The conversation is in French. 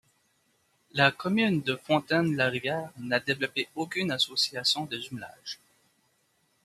La commune de Fontaine-la-Rivière n'a développé aucune association de jumelage.